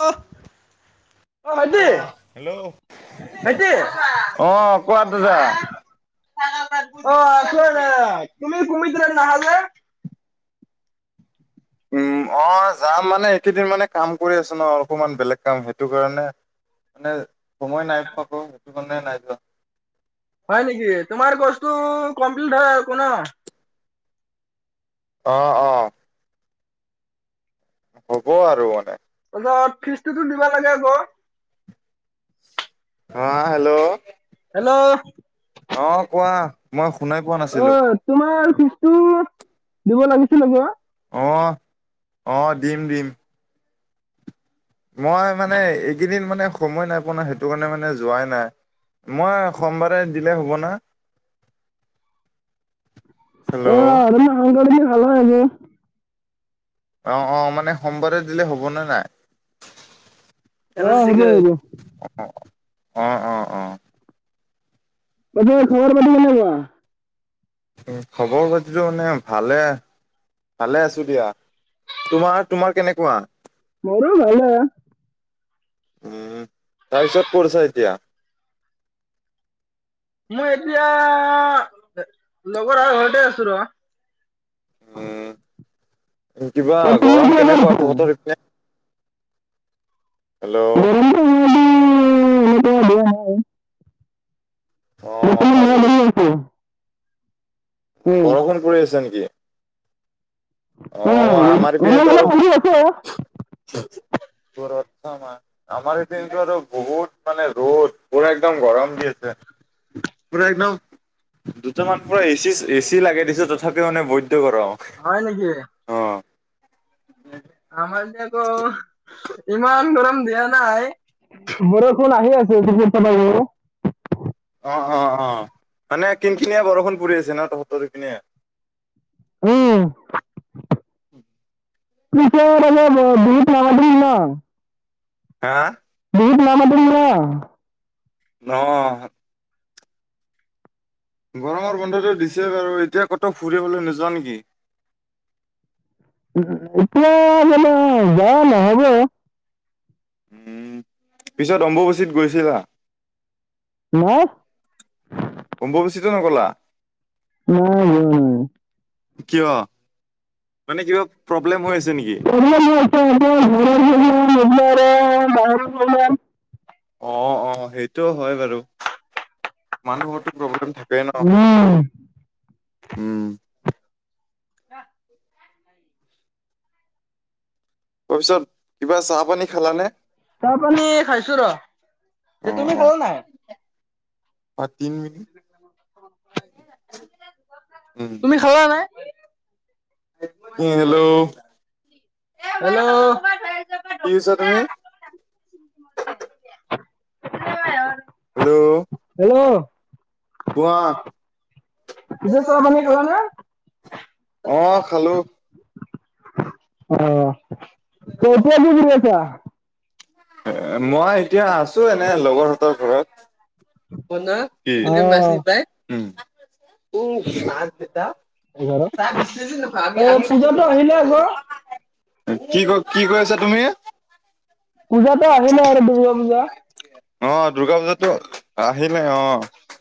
[unintelligible] অ, ভাইটি কোৱা হেল্ল' ভাইটি অ কোৱা দাদা অ আছোঁ এনে। তুমি আজিকালি নাহা যে? উম! অ যাম মানে এইকেইদিন মানে কাম কৰি আছো ন অকমান বেলেগ কাম সেইটো কাৰণে মানে, সময় নাই পোৱা আকৌ সেইটো কাৰণে নাই যোৱা। হয় নেকি? তোমাৰ কছটো কমপ্লিট হয় আক কো ন? অ', অ' হ'ব আৰু মানে তাৰছত ফিজটোতো দিব লাগে আকৌ। অ হেল্ল' হেল্ল'! অ কোৱা, মই শুনাই পোৱা অ নাছিলো। তোমাৰ ফিজটো দিব লাগিছিল আক। অ', অ' দিম দিম। মই মানে এইকেইদিন মানে সময় নাই পোৱা ন! সেইটো কাৰণে মানে যোৱাই নাই। মই সোমবাৰে দিলে হ'ব না? হেল্ল' [unintelligible] অ', অ' মানে সমবাৰে দিলে হ'বনে নাই? অঁ, অ হ'ব হ'ব অ, অ! বাকী খবৰ পাতি কেনেকুৱা? উ, খবৰ খাতিটো মানে ভালে। ভালে আছোঁ দিয়া। তোমাৰ তোমাৰ কেনেকুৱা? মোৰো ভালে। উম! তাৰপিছত কত আছা এতিয়া? মই এতিয়া লগৰ লৰা ঘৰতে আছো ৰ! উম! কিবা গৰম গৰমটো অলপ তহঁতৰ সেইফালে? হেল্ল'! [unintelligible] অ', অ', হয় নেকি? উম! বৰষুণ পৰি আছে নেকি? অ, আমাৰ পিনে ত আৰু নেকি আমাৰ এইপিনেটো আৰু বহুত মানে ৰ'দ, পুৰা একদম গৰম দি আছে। পুৰা একদম দুটামান পুৰা এচি এচি লাগাই দিছোঁ তথাপিও মানে বৈত গৰম। হয় নেকি? অ [inaudible] আমাৰ [inaudible] ইমান গৰম দিয়া নাই, বৰষুণ আহি আছে [unintelligible] অ অ অ মানে কিনখিনিয়া বৰষুণ পৰি আছে ন তহতৰ এই পিনে? উম [inaudible] [unintelligible] হা? [unintelligible] [unintelligible] গৰমৰ বন্ধটো দিছে বাৰু, এতিয়া ক'তো ফুৰিবলে নোযোৱা নেকি? এতিয়া মানে যোৱা নহ'ব [unintelligible] উম পিছত অম্বুবচিত গৈছিলা? নাই। অম্বোবচিতো নগলা? ন [unintelligible] কিয়? মানে কিবা প্ৰব্লেম হৈ আছে নেকি? [unintelligible] [unintelligible] অ [unintelligible] অ অ সেইটো হয় বাৰু, মানুহৰটো প্ৰব্লেম থাকে উম [unintelligible] উম, [inaudible] তপিছত কিবা চাহ পানী খালানে? চাহ পানী খাইছো ৰ, তে অ', তুমি অ', খালা নাই? [unintelligible] উম, [inaudible] তুমি খালা নাই? হেল্ল'। [unintelligible] হেল্ল। কি কৈছা তুমি? হেল্ল'। হেল্ল'। কোৱা পিছে চাহ পানী খালা নে? [unintelligible] অ খালো। অ এতিয়া কি কৰি আছা? এ মই এতিয়া আছো এনে লগৰ হঁতৰ ঘৰত। অ', [unintelligible] [inaudible] এই পূজাতো আহিলে আকৌ। [unintelligible] কি ক কি কৈ আছা তুমি? পূজাতো আহিলে আৰু দুৰ্গা পূজা। অ দুূৰ্গা পূজাতো আহিলে অ।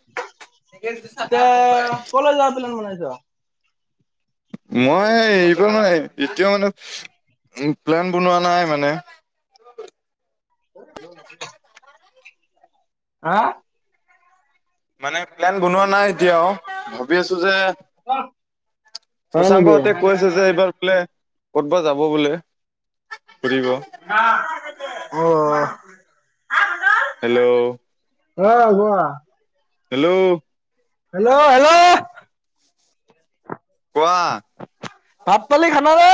[unintelligible] কলে যোৱা প্লেন বনাইছ? মই এইব মানে এতিয়া মানে উম প্লেন বনোৱা নাই মানে। [inaudible] আ? মানে প্লেন বনোৱা নাই এতিয়াও, ভাবি আছো যে হয় শশাংক নেকি? হঁতে কৈছে যে এইবাৰ বোলে ক'ত বা যাব বোলে ফুৰিব। অ। হেল্ল'। অ গোৱা। হেল্ল' হেল্ল' হেল্ল' কোৱা? ভাত - পানী খালা নে?